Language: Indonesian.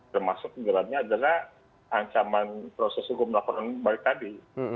termasuk dalamnya adalah ancaman proses hukum laporan baru tadi